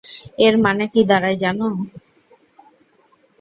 এর মানে কী দাঁড়ায় জানো?